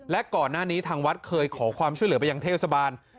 และก่อนหน้านี้ทางวัดเคยขอความช่วยเหลือไปยังเทศบาล